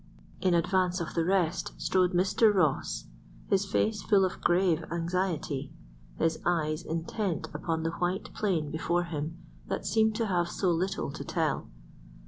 In advance of the rest strode Mr. Ross, his face full of grave anxiety, his eyes intent upon the white plain before him that seemed to have so little to tell.